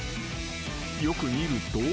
［よく見ると］